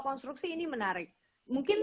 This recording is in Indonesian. konstruksi ini menarik mungkin